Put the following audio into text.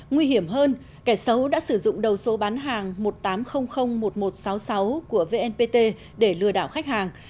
nguy hiểm hơn kẻ xấu đã sử dụng đầu số bán hàng một tám không không một một sáu sáu của vnpt để lừa đảo khách hàng